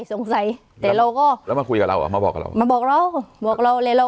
สงสัยแต่เราก็แล้วมาคุยกับเราเหรอมาบอกกับเรามาบอกเราบอกเราเลยเรา